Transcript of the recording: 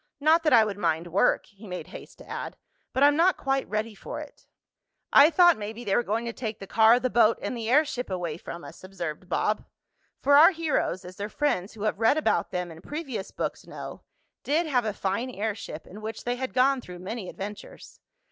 Not that I would mind work," he made haste to add, "but I'm not quite ready for it." "I thought maybe they were going to take the car, the boat and the airship away from us," observed Bob, for our heroes, as their friends who have read about them in previous books know, did have a fine airship, in which they had gone through many adventures.